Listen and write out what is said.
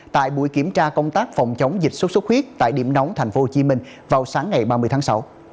tại buổi kiểm tra công tác phòng chống dịch sốt xuất huyết tại điểm nóng tp hcm vào sáng ngày ba mươi tháng sáu